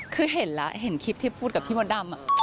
คือเห็นแล้วเห็นคลิปที่พูดกับพี่มดดำ